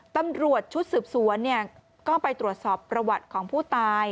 ตำรวจชุดสืบสวนก็ไปตรวจสอบประวัติของผู้ตาย